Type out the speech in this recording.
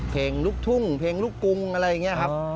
เพลงลูกทุ่งเพลงลูกกรุงอะไรอย่างนี้ครับ